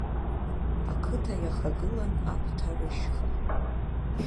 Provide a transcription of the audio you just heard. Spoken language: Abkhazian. Ақыҭа иахагылан Аԥҭарышьха.